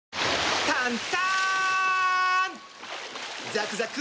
ザクザク！